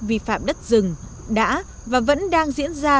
vi phạm đất rừng đã và vẫn đang diễn ra